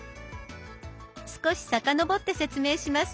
少し遡って説明します。